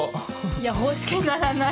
いやフォしかならない。